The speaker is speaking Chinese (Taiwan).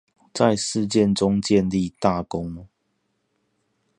在事件中建立大功